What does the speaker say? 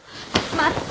待って！